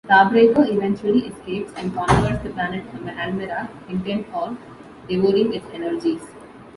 Starbreaker eventually escapes, and conquers the planet Almerac, intent on devouring its energies.